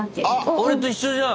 俺と一緒じゃん。